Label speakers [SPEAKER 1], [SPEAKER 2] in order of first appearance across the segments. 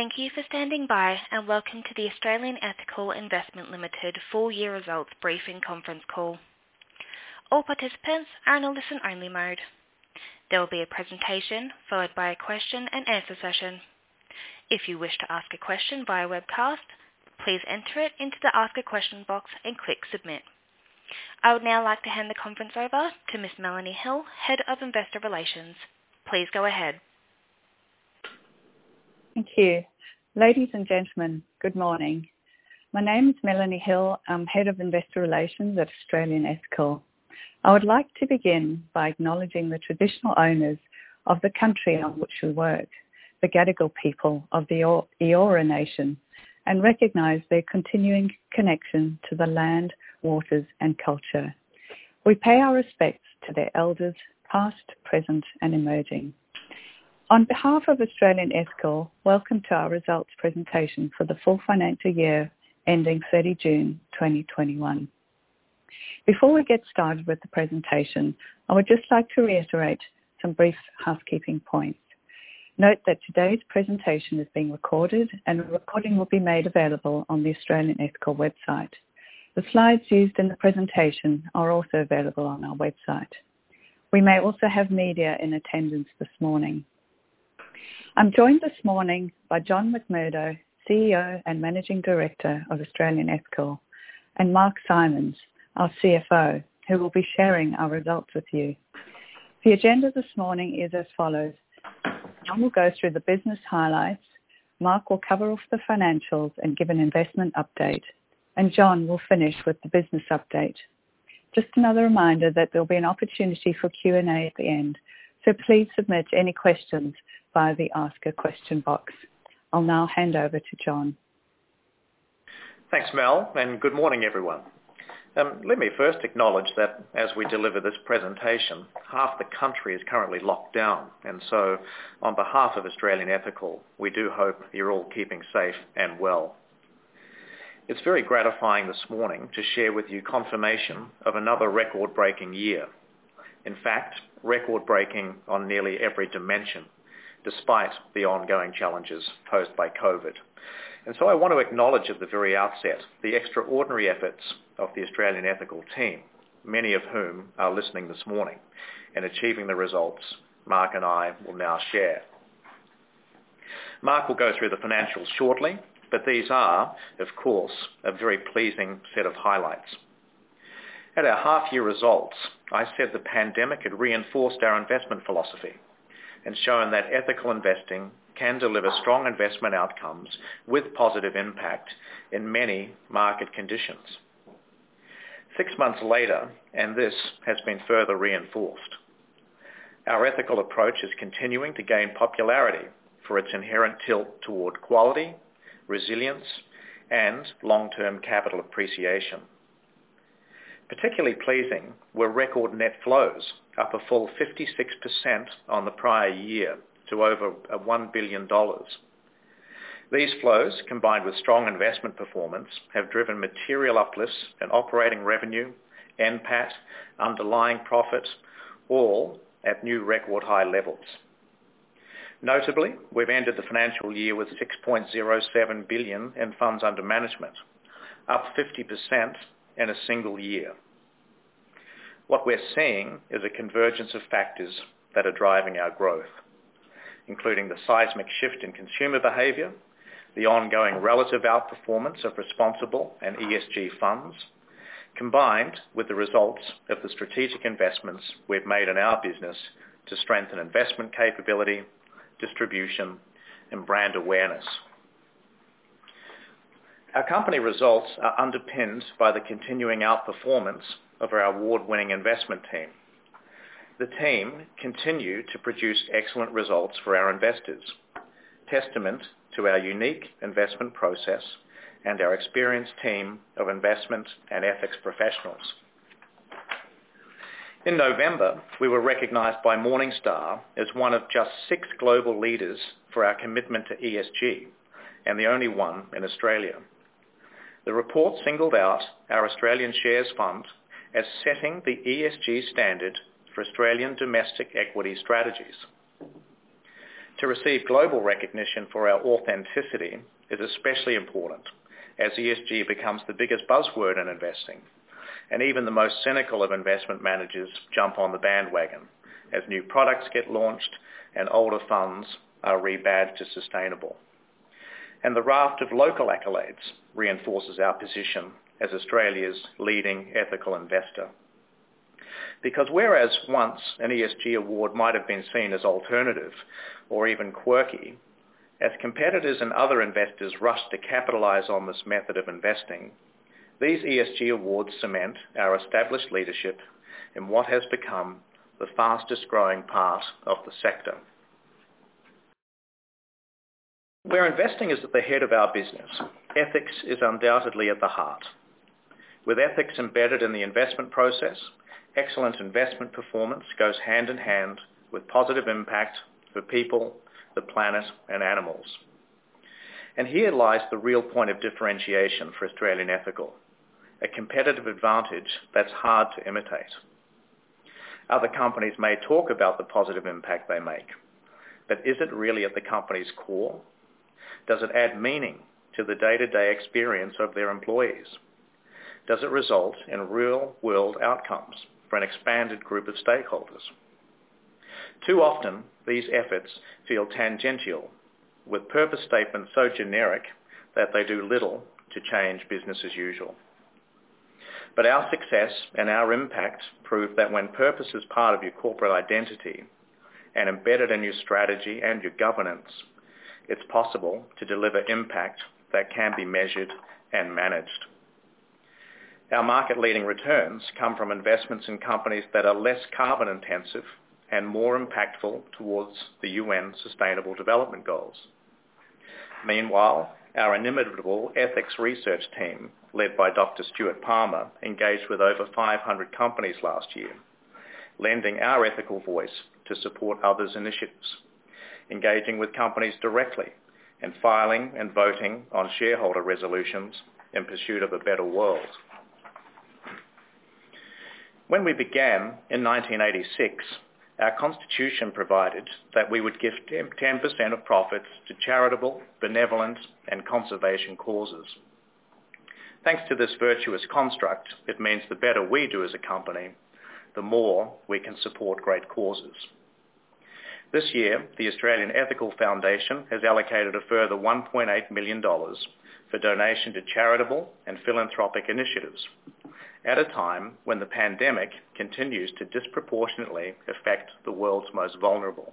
[SPEAKER 1] I would now like to hand the conference over to Melanie Hill, Head of Investor Relations. Please go ahead.
[SPEAKER 2] Thank you. Ladies and gentlemen, good morning. My name is Melanie Hill. I'm Head of Investor Relations at Australian Ethical. I would like to begin by acknowledging the traditional owners of the country on which we work, the Gadigal people of the Eora Nation, and recognize their continuing connection to the land, waters, and culture. We pay our respects to their elders past, present, and emerging. On behalf of Australian Ethical, welcome to our results presentation for the full financial year ending 30 June 2021. Before we get started with the presentation, I would just like to reiterate some brief housekeeping points. Note that today's presentation is being recorded, and a recording will be made available on the Australian Ethical website. The slides used in the presentation are also available on our website. We may also have media in attendance this morning. I'm joined this morning by John McMurdo, CEO and Managing Director of Australian Ethical, and Mark Simons, our CFO, who will be sharing our results with you. The agenda this morning is as follows. John will go through the business highlights. Mark will cover off the financials and give an investment update, and John will finish with the business update. Just another reminder that there'll be an opportunity for Q&A at the end, so please submit any questions via the ask a question box. I'll now hand over to John.
[SPEAKER 3] Thanks, Melanie Hill, good morning, everyone. Let me first acknowledge that as we deliver this presentation, half the country is currently locked down, on behalf of Australian Ethical, we do hope you're all keeping safe and well. It's very gratifying this morning to share with you confirmation of another record-breaking year. In fact, record-breaking on nearly every dimension, despite the ongoing challenges posed by COVID. I want to acknowledge at the very outset the extraordinary efforts of the Australian Ethical team, many of whom are listening this morning, in achieving the results Mark Simons and I will now share. Mark Simons will go through the financials shortly, these are, of course, a very pleasing set of highlights. At our half year results, I said the pandemic had reinforced our investment philosophy and shown that ethical investing can deliver strong investment outcomes with positive impact in many market conditions. Six months later, this has been further reinforced. Our ethical approach is continuing to gain popularity for its inherent tilt toward quality, resilience, and long-term capital appreciation. Particularly pleasing were record net flows, up a full 56% on the prior year to over 1 billion dollars. These flows, combined with strong investment performance, have driven material uplifts in operating revenue, NPAT, underlying profits, all at new record high levels. Notably, we've ended the financial year with 6.07 billion in funds under management, up 50% in a single year. What we're seeing is a convergence of factors that are driving our growth, including the seismic shift in consumer behavior, the ongoing relative outperformance of responsible and ESG funds, combined with the results of the strategic investments we've made in our business to strengthen investment capability, distribution, and brand awareness. Our company results are underpinned by the continuing outperformance of our award-winning investment team. The team continue to produce excellent results for our investors, testament to our unique investment process and our experienced team of investment and ethics professionals. In November, we were recognized by Morningstar as one of just six global leaders for our commitment to ESG and the only one in Australia. The report singled out our Australian Shares funds as setting the ESG standard for Australian domestic equity strategies. To receive global recognition for our authenticity is especially important as ESG becomes the biggest buzzword in investing and even the most cynical of investment managers jump on the bandwagon as new products get launched and older funds are rebadged to sustainable. The raft of local accolades reinforces our position as Australia's leading ethical investor. Whereas once an ESG award might have been seen as alternative or even quirky, as competitors and other investors rush to capitalize on this method of investing, these ESG awards cement our established leadership in what has become the fastest-growing part of the sector. Where investing is at the head of our business, ethics is undoubtedly at the heart. With ethics embedded in the investment process, excellent investment performance goes hand in hand with positive impact for people, the planet, and animals. Here lies the real point of differentiation for Australian Ethical, a competitive advantage that's hard to imitate. Other companies may talk about the positive impact they make, is it really at the company's core? Does it add meaning to the day-to-day experience of their employees? Does it result in real-world outcomes for an expanded group of stakeholders? Too often, these efforts feel tangential, with purpose statements so generic that they do little to change business as usual. Our success and our impact prove that when purpose is part of your corporate identity and embedded in your strategy and your governance, it's possible to deliver impact that can be measured and managed. Our market-leading returns come from investments in companies that are less carbon-intensive and more impactful towards the UN Sustainable Development Goals. Our inimitable ethics research team, led by Dr. Stuart Palmer, engaged with over 500 companies last year, lending our ethical voice to support others' initiatives, engaging with companies directly, and filing and voting on shareholder resolutions in pursuit of a better world. When we began in 1986, our constitution provided that we would give 10% of profits to charitable, benevolent, and conservation causes. Thanks to this virtuous construct, it means the better we do as a company, the more we can support great causes. This year, the Australian Ethical Foundation has allocated a further 1.8 million dollars for donation to charitable and philanthropic initiatives at a time when the pandemic continues to disproportionately affect the world's most vulnerable.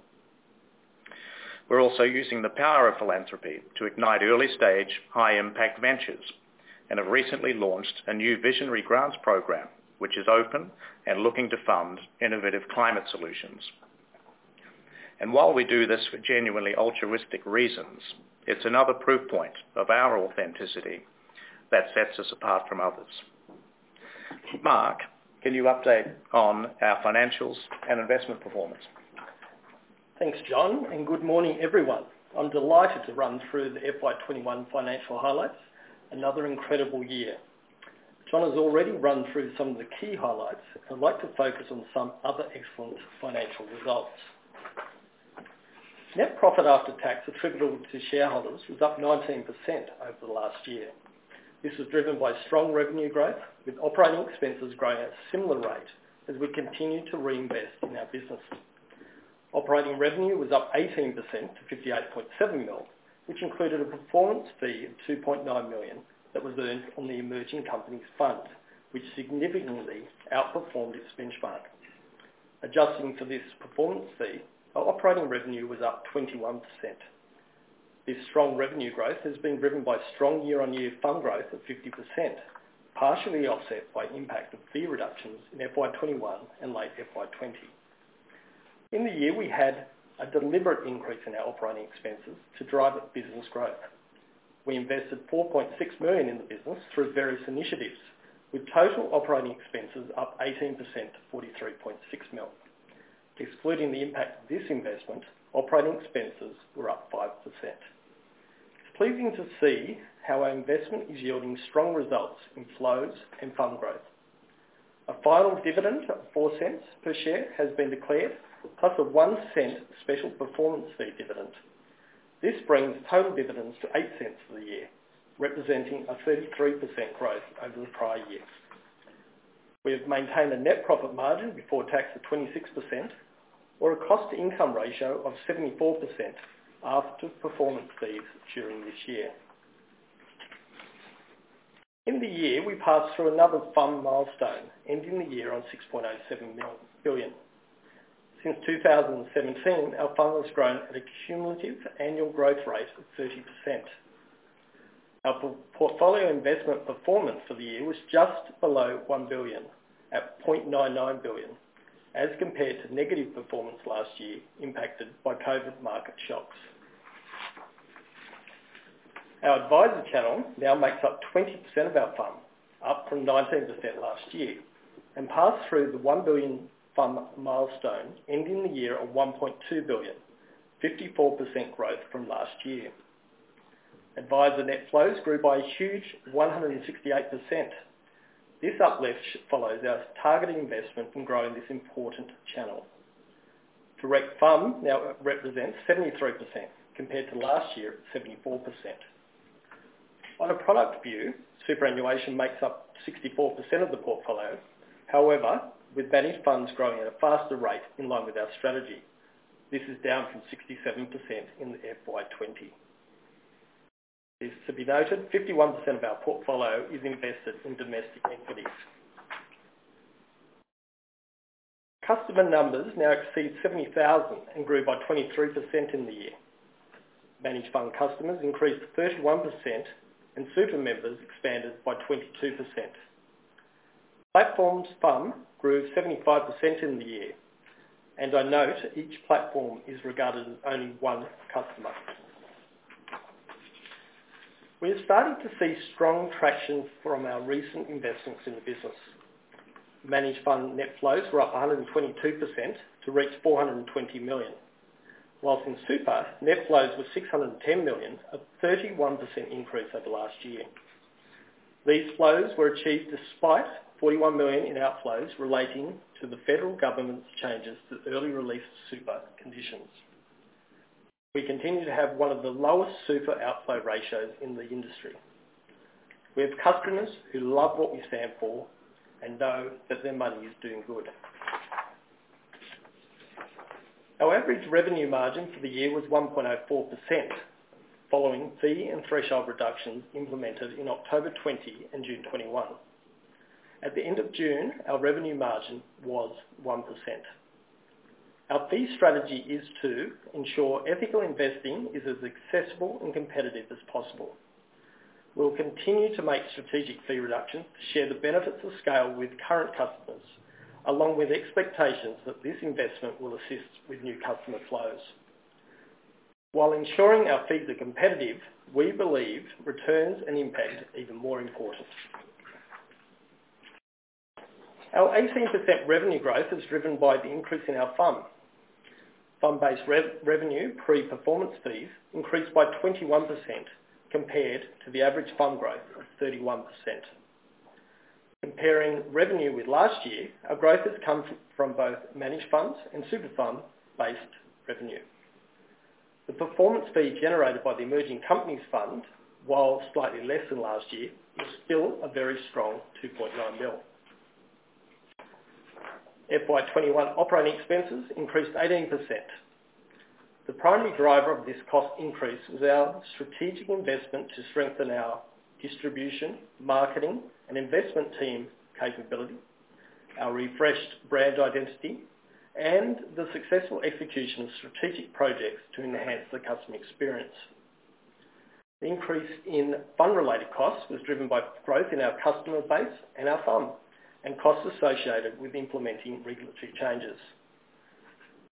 [SPEAKER 3] We're also using the power of philanthropy to ignite early-stage, high-impact ventures and have recently launched a new visionary grants program, which is open and looking to fund innovative climate solutions. While we do this for genuinely altruistic reasons, it's another proof point of our authenticity that sets us apart from others. Mark, can you update on our financials and investment performance?
[SPEAKER 4] Thanks, John. Good morning, everyone. I'm delighted to run through the FY 2021 financial highlights, another incredible year. John has already run through some of the key highlights. I'd like to focus on some other excellent financial results. Net profit after tax attributable to shareholders was up 19% over the last year. This was driven by strong revenue growth, with operating expenses growing at a similar rate as we continue to reinvest in our business. Operating revenue was up 18% to 58.7 million, which included a performance fee of 2.9 million that was earned on the Emerging Companies Fund, which significantly outperformed its benchmarks. Adjusting for this performance fee, our operating revenue was up 21%. This strong revenue growth has been driven by strong year-on-year fund growth of 50%, partially offset by impact of fee reductions in FY 2021 and late FY 2020. In the year, we had a deliberate increase in our operating expenses to drive business growth. We invested 4.6 million in the business through various initiatives, with total operating expenses up 18% to 43.6 million. Excluding the impact of this investment, operating expenses were up 5%. It's pleasing to see how our investment is yielding strong results in flows and fund growth. A final dividend of 0.04 per share has been declared, plus a 0.01 special performance fee dividend. This brings total dividends to 0.08 for the year, representing a 33% growth over the prior year. We have maintained a net profit margin before tax of 26%, or a cost-to-income ratio of 74% after performance fees during this year. In the year, we passed through another fund milestone, ending the year on 6.07 billion. Since 2017, our fund has grown at a cumulative annual growth rate of 30%. Our portfolio investment performance for the year was just below 1 billion, at 0.99 billion, as compared to negative performance last year, impacted by COVID market shocks. Our advisor channel now makes up 20% of our fund, up from 19% last year, and passed through the 1 billion fund milestone, ending the year at 1.2 billion, 54% growth from last year. Advisor net flows grew by a huge 168%. This uplift follows our targeted investment in growing this important channel. Direct fund now represents 73%, compared to last year at 74%. On a product view, superannuation makes up 64% of the portfolio. However, with managed funds growing at a faster rate in line with our strategy, this is down from 67% in FY 2020. This is to be noted, 51% of our portfolio is invested in domestic entities. Customer numbers now exceed 70,000 and grew by 23% in the year. managed fund customers increased to 31%, and super members expanded by 22%. Platforms fund grew 75% in the year, and I note each platform is regarded as only one customer. We are starting to see strong traction from our recent investments in the business. managed fund net flows were up 122% to reach 420 million, whilst in super, net flows were 610 million, a 31% increase over last year. These flows were achieved despite 41 million in outflows relating to the federal government's changes to early release super conditions. We continue to have one of the lowest super outflow ratios in the industry. We have customers who love what we stand for and know that their money is doing good. Our average revenue margin for the year was 1.04%, following fee and threshold reductions implemented in October 2020 and June 2021. At the end of June, our revenue margin was 1%. Our fee strategy is to ensure ethical investing is as accessible and competitive as possible. We'll continue to make strategic fee reductions to share the benefits of scale with current customers, along with expectations that this investment will assist with new customer flows. While ensuring our fees are competitive, we believe returns and impact are even more important. Our 18% revenue growth is driven by the increase in our fund. Fund-based revenue, pre-performance fees, increased by 21%, compared to the average fund growth of 31%. Comparing revenue with last year, our growth has come from both managed funds and super fund-based revenue. The performance fee generated by the Emerging Companies Fund, while slightly less than last year, was still a very strong 2.9 million. FY21 operating expenses increased 18%. The primary driver of this cost increase was our strategic investment to strengthen our distribution, marketing, and investment team capability, our refreshed brand identity, and the successful execution of strategic projects to enhance the customer experience. The increase in fund-related costs was driven by growth in our customer base and our fund, and costs associated with implementing regulatory changes.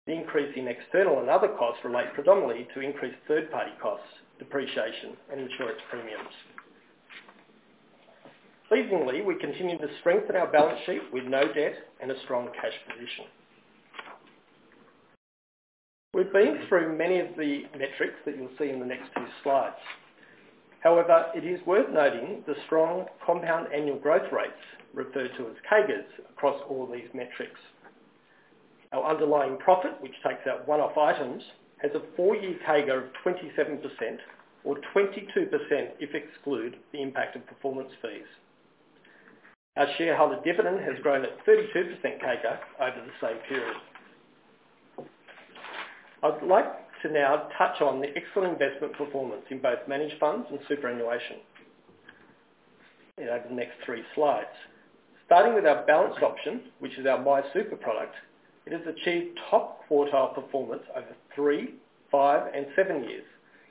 [SPEAKER 4] The increase in external and other costs relate predominantly to increased third-party costs, depreciation, and insurance premiums. Seasonally, we continue to strengthen our balance sheet with no debt and a strong cash position. We've been through many of the metrics that you'll see in the next few slides. However, it is worth noting the strong compound annual growth rates, referred to as CAGRs, across all these metrics. Our underlying profit, which takes out one-off items, has a four-year CAGR of 27%, or 22% if exclude the impact of performance fees. Our shareholder dividend has grown at 32% CAGR over the same period. I'd like to now touch on the excellent investment performance in both managed funds and superannuation in our next three slides. Starting with our Balanced option, which is our wide super product, it has achieved top quartile performance over three, five, and seven years,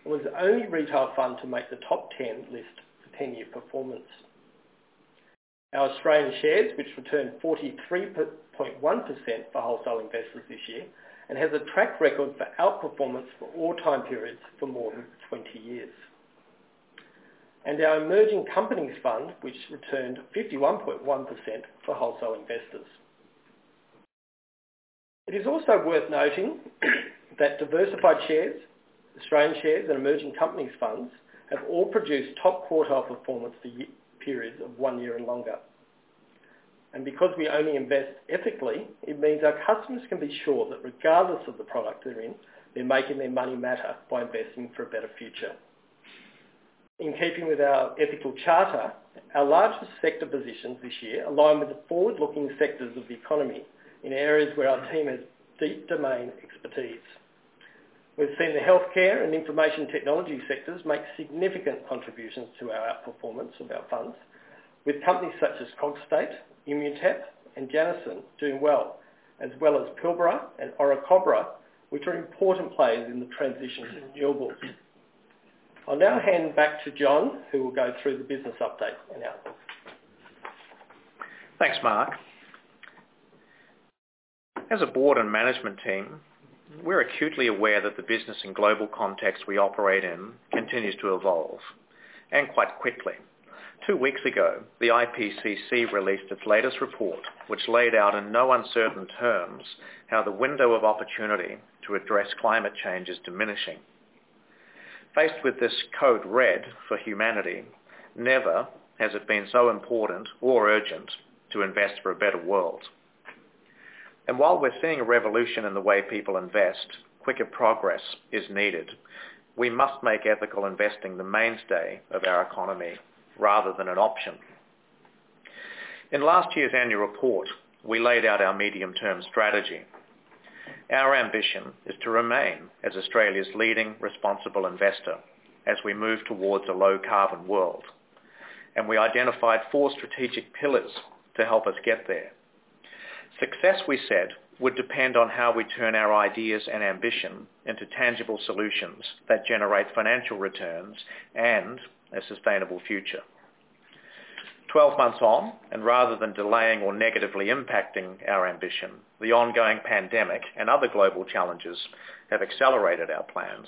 [SPEAKER 4] and was the only retail fund to make the top 10 list for 10-year performance. Our Australian Shares, which returned 43.1% for wholesale investors this year, and has a track record for outperformance for all time periods for more than 20 years. Our emerging companies fund, which returned 51.1% for wholesale investors. It is also worth noting that Diversified Shares, Australian shares, and Emerging Companies Funds have all produced top quartile performance for periods of one year and longer. Because we only invest ethically, it means our customers can be sure that regardless of the product they're in, they're making their money matter by investing for a better future. In keeping with our ethical charter, our largest sector positions this year align with the forward-looking sectors of the economy in areas where our team has deep domain expertise. We've seen the healthcare and information technology sectors make significant contributions to our outperformance of our funds with companies such as Cogstate, Immutep, and Janison doing well, as well as Pilbara and Orocobre, which are important players in the transition to renewables. I'll now hand back to John, who will go through the business update and outlook.
[SPEAKER 3] Thanks, Mark. As a board and management team, we're acutely aware that the business and global context we operate in continues to evolve, and quite quickly. two weeks ago, the IPCC released its latest report, which laid out in no uncertain terms how the window of opportunity to address climate change is diminishing. Faced with this code red for humanity, never has it been so important or urgent to invest for a better world. While we're seeing a revolution in the way people invest, quicker progress is needed. We must make ethical investing the mainstay of our economy rather than an option. In last year's annual report, we laid out our medium-term strategy. Our ambition is to remain as Australia's leading responsible investor as we move towards a low carbon world, and we identified four strategic pillars to help us get there. Success, we said, would depend on how we turn our ideas and ambition into tangible solutions that generate financial returns and a sustainable future. 12 months on, Rather than delaying or negatively impacting our ambition, the ongoing pandemic and other global challenges have accelerated our plans.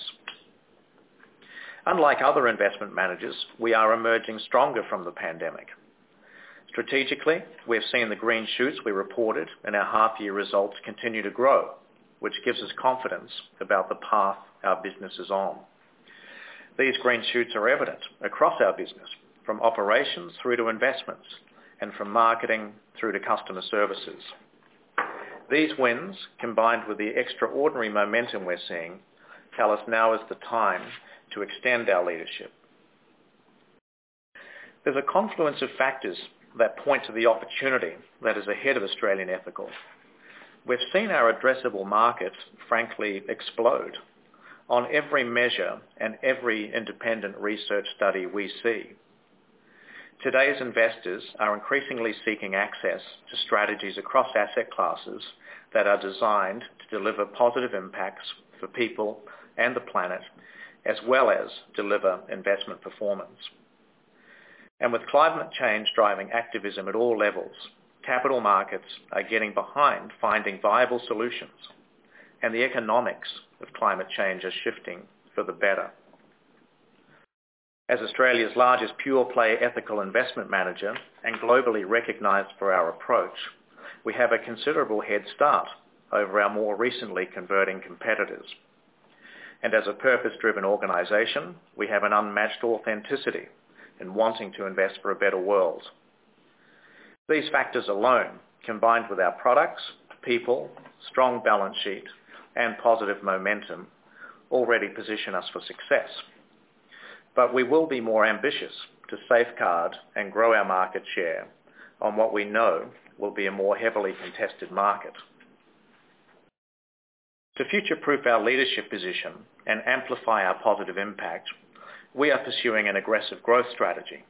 [SPEAKER 3] Unlike other investment managers, we are emerging stronger from the pandemic. Strategically, we've seen the green shoots we reported in our half year results continue to grow, which gives us confidence about the path our business is on. These green shoots are evident across our business, from operations through to investments, and from marketing through to customer services. These wins, combined with the extraordinary momentum we're seeing, tell us now is the time to extend our leadership. There's a confluence of factors that point to the opportunity that is ahead of Australian Ethical. We've seen our addressable market frankly explode on every measure and every independent research study we see. Today's investors are increasingly seeking access to strategies across asset classes that are designed to deliver positive impacts for people and the planet, as well as deliver investment performance. With climate change driving activism at all levels, capital markets are getting behind finding viable solutions, and the economics of climate change are shifting for the better. As Australia's largest pure play ethical investment manager and globally recognized for our approach, we have a considerable head start over our more recently converting competitors. As a purpose-driven organization, we have an unmatched authenticity in wanting to invest for a better world. These factors alone, combined with our products, people, strong balance sheet, and positive momentum, already position us for success. We will be more ambitious to safeguard and grow our market share on what we know will be a more heavily contested market. To future-proof our leadership position and amplify our positive impact, we are pursuing an aggressive growth strategy.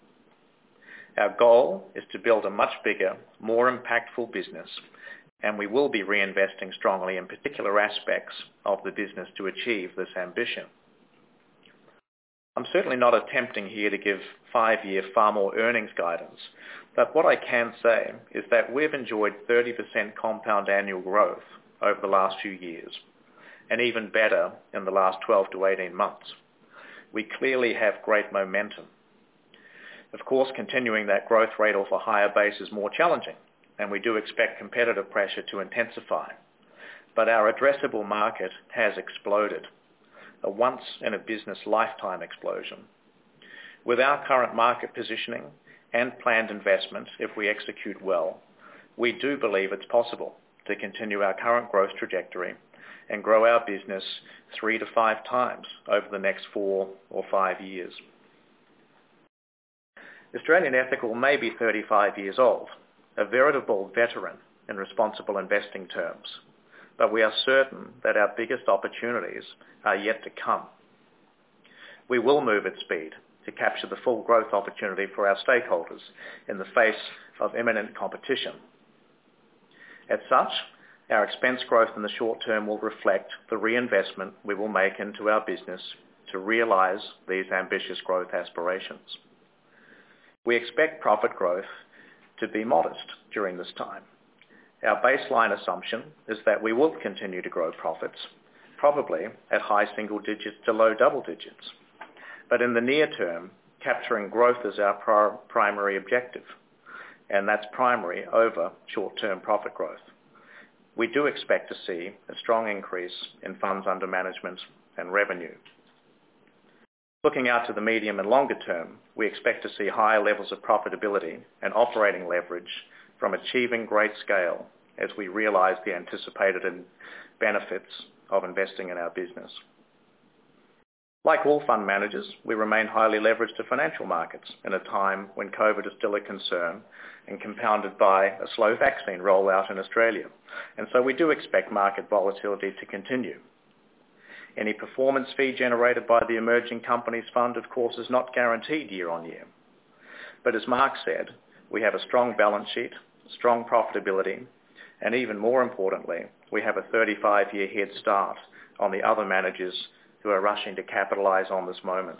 [SPEAKER 3] Our goal is to build a much bigger, more impactful business, and we will be reinvesting strongly in particular aspects of the business to achieve this ambition. I'm certainly not attempting here to give 5-year earnings guidance, but what I can say is that we've enjoyed 30% Compound Annual Growth over the last few years, and even better in the last 12-18 months. We clearly have great momentum. Of course, continuing that growth rate off a higher base is more challenging, and we do expect competitive pressure to intensify. Our addressable market has exploded, a once in a business lifetime explosion. With our current market positioning and planned investments, if we execute well, we do believe it's possible to continue our current growth trajectory and grow our business three to five times over the next four or five years. Australian Ethical may be 35 years old, a veritable veteran in responsible investing terms, but we are certain that our biggest opportunities are yet to come. We will move at speed to capture the full growth opportunity for our stakeholders in the face of imminent competition. As such, our expense growth in the short term will reflect the reinvestment we will make into our business to realize these ambitious growth aspirations. We expect profit growth to be modest during this time. Our baseline assumption is that we will continue to grow profits, probably at high single digits to low double digits. In the near term, capturing growth is our primary objective, and that's primary over short-term profit growth. We do expect to see a strong increase in funds under management and revenue. Looking out to the medium and longer term, we expect to see higher levels of profitability and operating leverage from achieving great scale as we realize the anticipated benefits of investing in our business. Like all fund managers, we remain highly leveraged to financial markets at a time when COVID is still a concern and compounded by a slow vaccine rollout in Australia. We do expect market volatility to continue. Any performance fee generated by the Emerging Companies Fund, of course, is not guaranteed year on year. As Mark said, we have a strong balance sheet, strong profitability, and even more importantly, we have a 35-year head start on the other managers who are rushing to capitalize on this moment.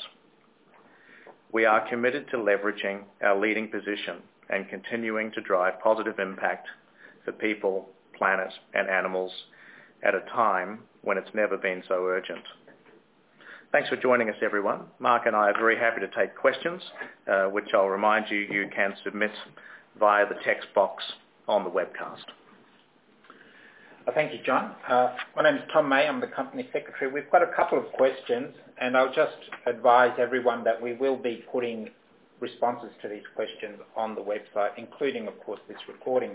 [SPEAKER 3] We are committed to leveraging our leading position and continuing to drive positive impact for people, planets, and animals at a time when it's never been so urgent. Thanks for joining us, everyone. Mark and I are very happy to take questions, which I'll remind you can submit via the text box on the webcast.
[SPEAKER 5] Thank you, John. My name is Tom May. I'm the Company Secretary. We've got a couple of questions, and I'll just advise everyone that we will be putting responses to these questions on the website, including, of course, this recording.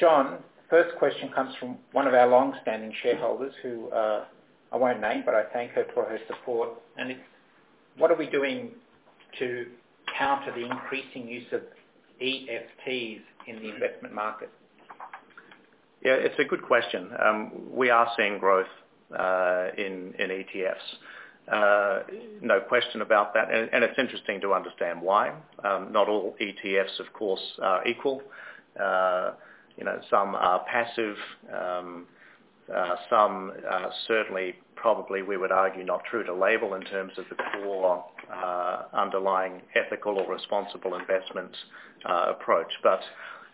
[SPEAKER 5] John, first question comes from one of our longstanding shareholders who, I won't name, but I thank her for her support. It's, what are we doing to counter the increasing use of ETFs in the investment market?
[SPEAKER 3] Yeah, it's a good question. We are seeing growth in ETFs. No question about that. It's interesting to understand why. Not all ETFs, of course, are equal. Some are passive, some are certainly, probably we would argue not true to label in terms of the core underlying ethical or responsible investment approach.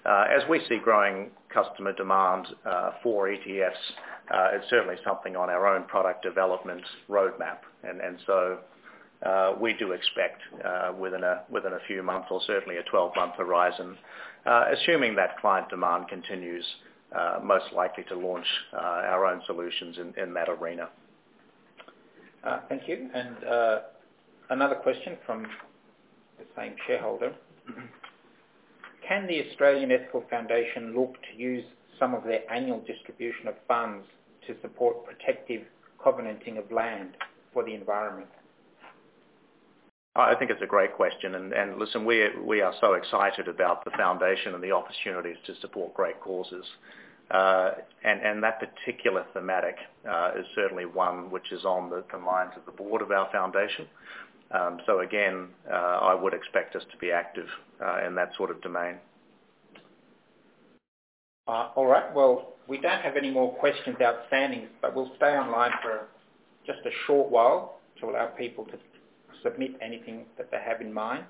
[SPEAKER 3] As we see growing customer demand for ETFs, it's certainly something on our own product development roadmap. We do expect within a few months or certainly a 12-month horizon, assuming that client demand continues, most likely to launch our own solutions in that arena.
[SPEAKER 5] Thank you. Another question from the same shareholder. Can the Australian Ethical Foundation look to use some of their annual distribution of funds to support protective covenanting of land for the environment?
[SPEAKER 3] I think it's a great question, listen, we are so excited about the Australian Ethical Foundation and the opportunities to support great causes. That particular thematic is certainly one which is on the minds of the board of our Australian Ethical Foundation. Again, I would expect us to be active in that sort of domain.
[SPEAKER 5] All right. Well, we don't have any more questions outstanding, but we'll stay online for just a short while to allow people to submit anything that they have in mind.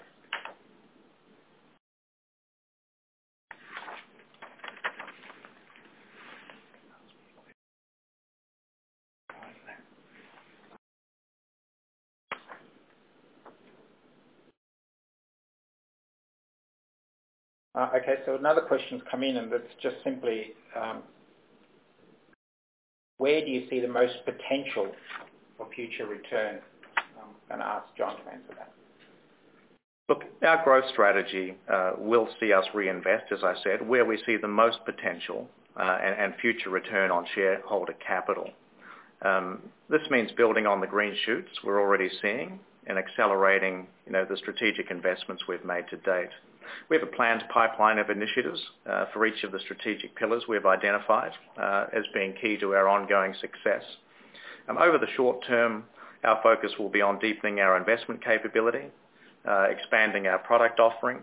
[SPEAKER 5] Okay. Another question's come in. It's just simply, where do you see the most potential for future return? I'm going to ask John to answer that.
[SPEAKER 3] Look, our growth strategy will see us reinvest, as I said, where we see the most potential and future return on shareholder capital. This means building on the green shoots we're already seeing and accelerating the strategic investments we've made to date. We have a planned pipeline of initiatives for each of the strategic pillars we've identified as being key to our ongoing success. Over the short term, our focus will be on deepening our investment capability, expanding our product offering,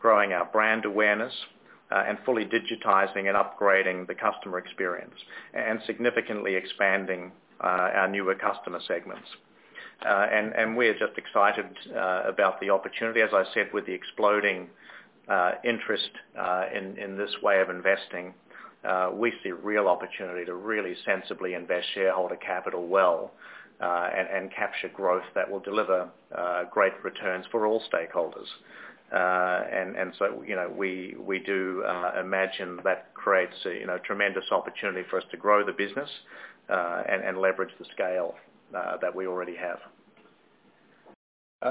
[SPEAKER 3] growing our brand awareness, and fully digitizing and upgrading the customer experience, and significantly expanding our newer customer segments. We're just excited about the opportunity. As I said, with the exploding interest in this way of investing, we see real opportunity to really sensibly invest shareholder capital well and capture growth that will deliver great returns for all stakeholders. We do imagine that creates a tremendous opportunity for us to grow the business and leverage the scale that we already have.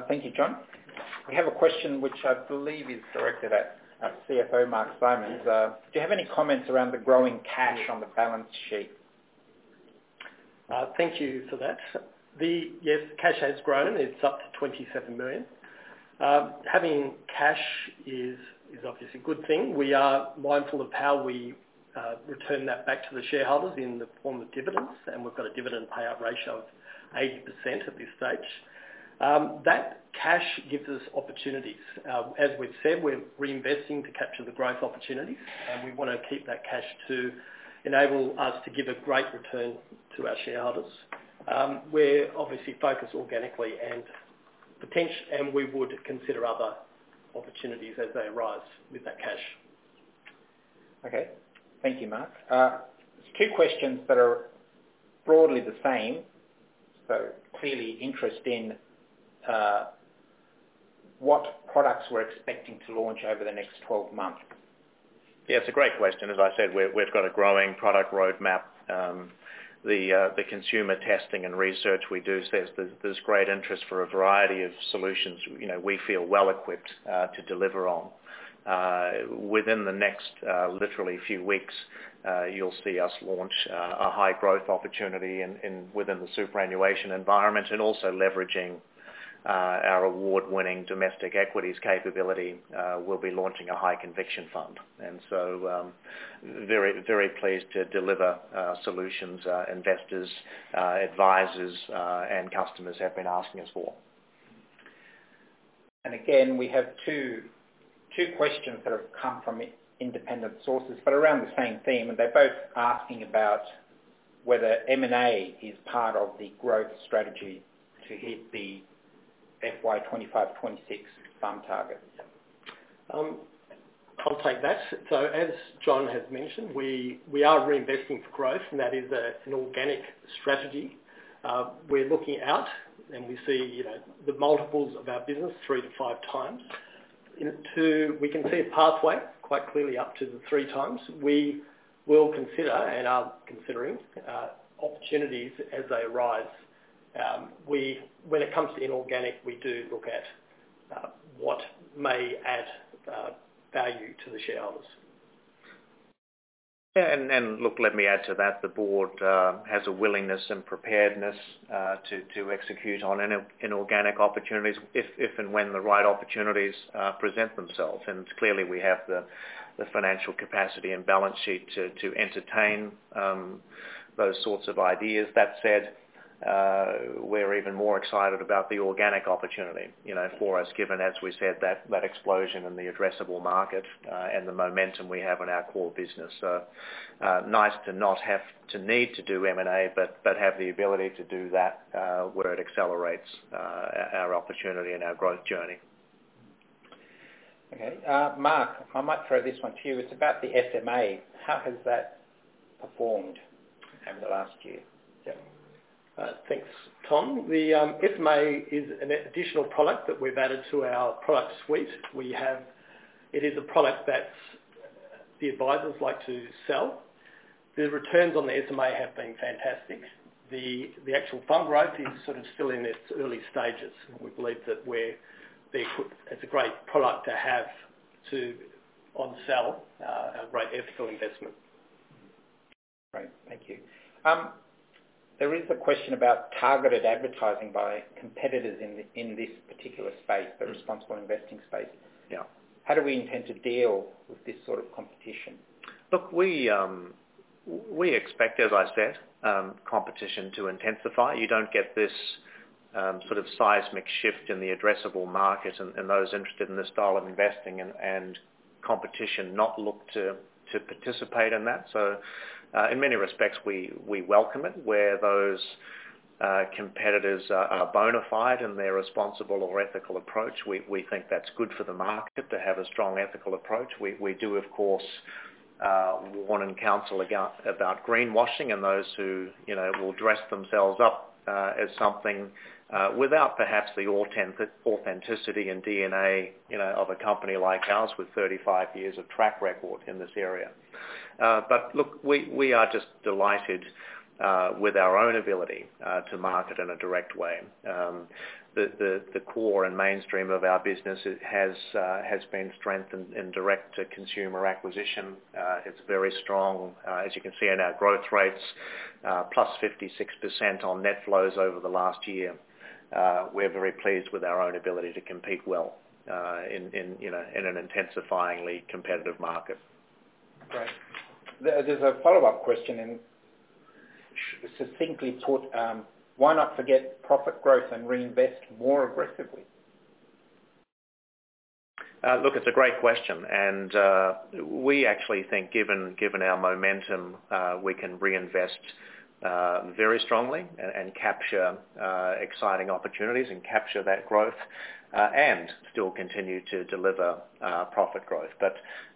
[SPEAKER 5] Thank you, John. We have a question which I believe is directed at CFO Mark Simons. Do you have any comments around the growing cash on the balance sheet?
[SPEAKER 4] Thank you for that. Yes, cash has grown. It's up to 27 million. Having cash is obviously a good thing. We are mindful of how we return that back to the shareholders in the form of dividends. We've got a dividend payout ratio of 80% at this stage. That cash gives us opportunities. As we've said, we're reinvesting to capture the growth opportunities. We want to keep that cash to enable us to give a great return to our shareholders. We're obviously focused organically. We would consider other opportunities as they arise with that cash.
[SPEAKER 5] Okay. Thank you, Mark. There's two questions that are broadly the same, so clearly interest in what products we're expecting to launch over the next 12 months.
[SPEAKER 3] Yeah, it's a great question. As I said, we've got a growing product roadmap. The consumer testing and research we do says there's great interest for a variety of solutions we feel well-equipped to deliver on. Within the next literally few weeks, you'll see us launch a high growth opportunity within the superannuation environment and also leveraging our award-winning domestic equities capability. We'll be launching a high conviction fund. Very pleased to deliver solutions investors, advisors, and customers have been asking us for.
[SPEAKER 5] Again, we have two questions that have come from independent sources, but around the same theme, and they're both asking about whether M&A is part of the growth strategy to hit the FY 2025, 2026 fund targets.
[SPEAKER 4] I'll take that. As John has mentioned, we are reinvesting for growth, and that is an organic strategy. We're looking out, and we see the multiples of our business three to five times. We can see a pathway quite clearly up to the three times. We will consider and are considering opportunities as they arise. When it comes to inorganic, we do look at what may add value to the shareholders.
[SPEAKER 3] Yeah, look, let me add to that. The board has a willingness and preparedness to execute on inorganic opportunities if and when the right opportunities present themselves. Clearly, we have the financial capacity and balance sheet to entertain those sorts of ideas. That said, we are even more excited about the organic opportunity for us, given, as we said, that explosion in the addressable market and the momentum we have in our core business. Nice to not have to need to do M&A but have the ability to do that where it accelerates our opportunity and our growth journey.
[SPEAKER 5] Okay. Mark, I might throw this one to you. It's about the SMA. How has that performed over the last year?
[SPEAKER 4] Thanks, Tom. The SMA is an additional product that we've added to our product suite. It is a product that the advisors like to sell. The returns on the SMA have been fantastic. The actual fund growth is still in its early stages, and we believe that it's a great product to have to on-sell our great ethical investment.
[SPEAKER 5] Great. Thank you. There is a question about targeted advertising by competitors in this particular space, the responsible investing space.
[SPEAKER 4] Yeah.
[SPEAKER 5] How do we intend to deal with this sort of competition?
[SPEAKER 3] Look, we expect, as I said, competition to intensify. You don't get this sort of seismic shift in the addressable market and those interested in this style of investing and competition not look to participate in that. In many respects, we welcome it. Where those competitors are bona fide in their responsible or ethical approach, we think that's good for the market to have a strong ethical approach. We do, of course, warn and counsel about greenwashing and those who will dress themselves up as something without perhaps the authenticity and DNA of a company like ours with 35 years of track record in this area. Look, we are just delighted with our own ability to market in a direct way. The core and mainstream of our business has been strengthened in direct-to-consumer acquisition. It's very strong, as you can see in our growth rates, plus 56% on net flows over the last year. We're very pleased with our own ability to compete well in an intensifying competitive market.
[SPEAKER 5] Great. There's a follow-up question, and succinctly put, why not forget profit growth and reinvest more aggressively?
[SPEAKER 3] Look, it's a great question. We actually think given our momentum, we can reinvest very strongly and capture exciting opportunities and capture that growth, and still continue to deliver profit growth.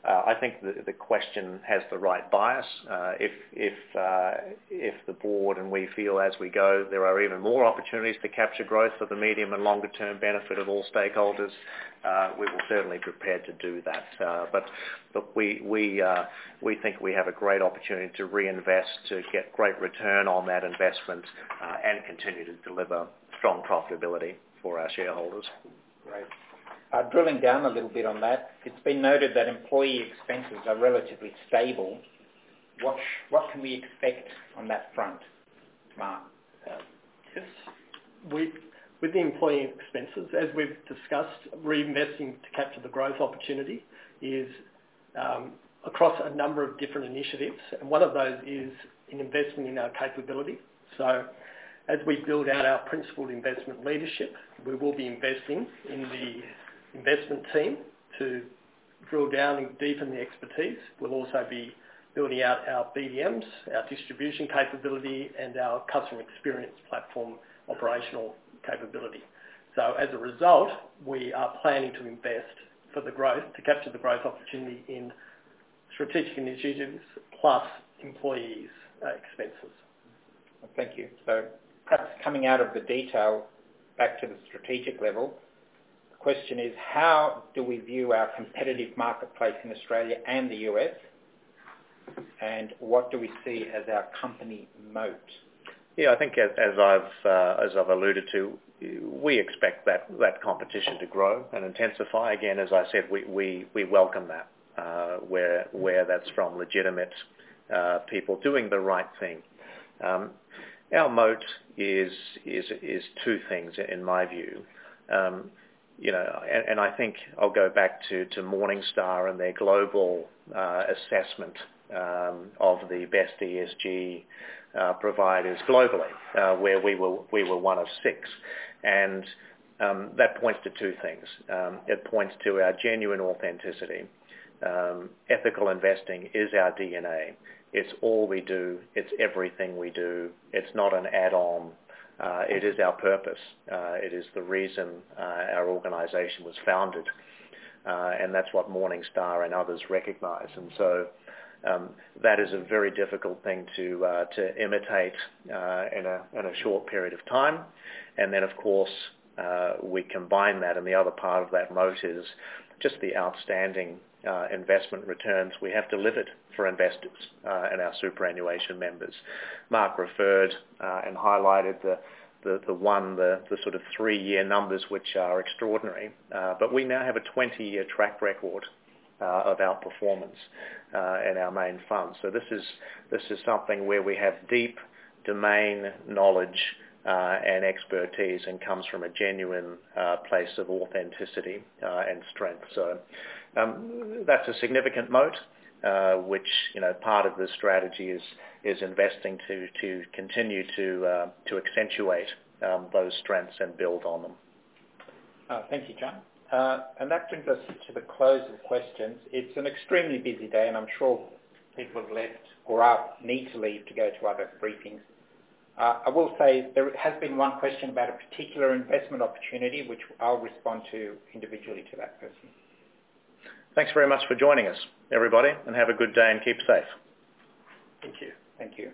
[SPEAKER 3] I think the question has the right bias. If the board and we feel as we go, there are even more opportunities to capture growth for the medium and longer term benefit of all stakeholders, we are certainly prepared to do that. Look, we think we have a great opportunity to reinvest, to get great return on that investment, and continue to deliver strong profitability for our shareholders.
[SPEAKER 5] Great. Drilling down a little bit on that, it has been noted that employee expenses are relatively stable. What can we expect on that front, Mark?
[SPEAKER 4] Yes. With the employee expenses, as we've discussed, reinvesting to capture the growth opportunity is across a number of different initiatives, and one of those is in investing in our capability. As we build out our principled investment leadership, we will be investing in the investment team to drill down and deepen the expertise. We'll also be building out our BDMs, our distribution capability, and our customer experience platform operational capability. As a result, we are planning to invest for the growth to capture the growth opportunity in strategic initiatives plus employee expenses.
[SPEAKER 5] Thank you. Perhaps coming out of the detail back to the strategic level, the question is how do we view our competitive marketplace in Australia and the U.S., and what do we see as our company moat?
[SPEAKER 3] Yeah, I think as I've alluded to, we expect that competition to grow and intensify. Again, as I said, we welcome that where that's from legitimate people doing the right thing. Our moat is two things in my view. I think I'll go back to Morningstar and their global assessment of the best ESG providers globally where we were one of six. That points to two things. It points to our genuine authenticity. Ethical investing is our DNA. It's all we do. It's everything we do. It's not an add-on. It is our purpose. It is the reason our organization was founded, and that's what Morningstar and others recognize. That is a very difficult thing to imitate in a short period of time. Of course, we combine that, and the other part of that moat is just the outstanding investment returns we have delivered for investors and our superannuation members. Mark referred and highlighted the 3-year numbers, which are extraordinary. We now have a 20-year track record of outperformance in our main fund. This is something where we have deep domain knowledge and expertise and comes from a genuine place of authenticity and strength. That's a significant moat, which part of the strategy is investing to continue to accentuate those strengths and build on them.
[SPEAKER 5] Thank you, John. That brings us to the close of questions. It's an extremely busy day, and I'm sure people have left or need to leave to go to other briefings. I will say there has been one question about a particular investment opportunity, which I'll respond to individually to that person.
[SPEAKER 3] Thanks very much for joining us, everybody, and have a good day and keep safe.
[SPEAKER 4] Thank you.
[SPEAKER 5] Thank you.